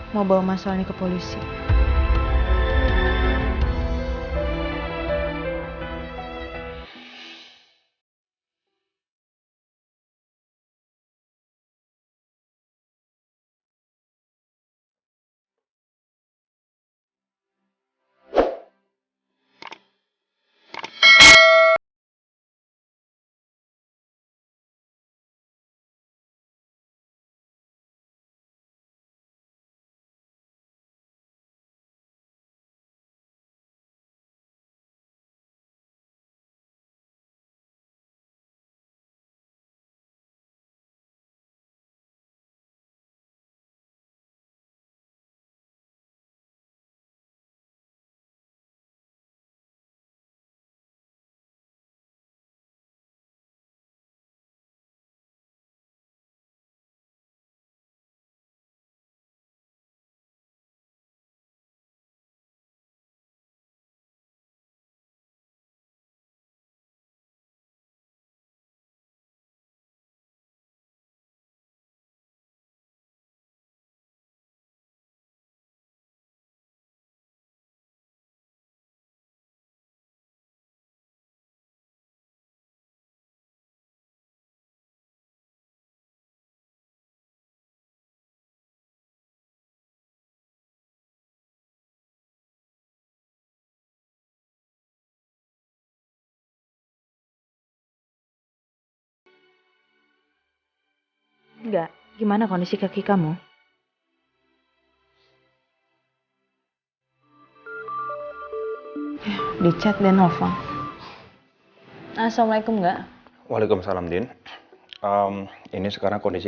mau bawa masalah ini ke polisi